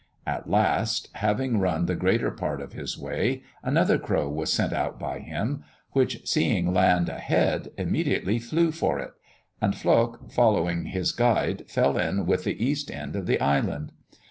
At last, having run the greater part of his way, another crow was sent out by him, which, seeing land ahead, immediately flew for it; and Flok, following his guide, fell in with the east end of the island.